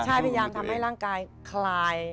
ใช่พยายามทำให้ร่างกายคลาย